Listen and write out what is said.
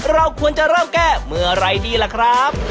เราควรจะเริ่มแก้เมื่อไหร่ดีล่ะครับ